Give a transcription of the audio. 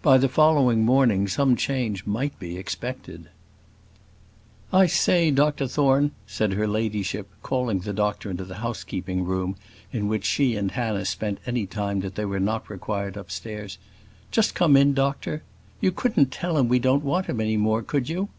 By the following morning some change might be expected." "I say, Dr Thorne," said her ladyship, calling the doctor into the housekeeping room, in which she and Hannah spent any time that they were not required upstairs; "just come in, doctor: you couldn't tell him we don't want him any more, could you?"